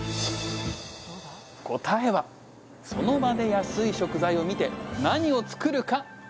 答えは「その場で安い食材を見て何を作るか決める」でした。